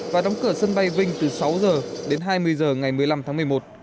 và đóng cửa sân bay vinh từ sáu h đến hai mươi h ngày một mươi năm tháng một mươi một